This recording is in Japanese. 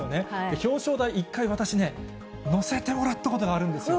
表彰台、１回私ね、乗せてもらったことがあるんですよ。